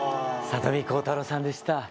里見浩太朗さんでした。